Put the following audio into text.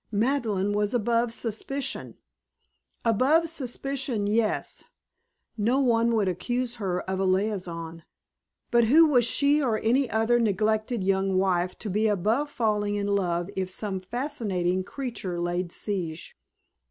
Madeleine was above suspicion. Above suspicion, yes. No one would accuse her of a liaison. But who was she or any other neglected young wife to be above falling in love if some fascinating creature laid siege?